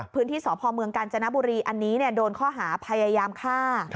พื้นที่สพเมืองกาญจนบุรีอันนี้โดนข้อหาพยายามฆ่า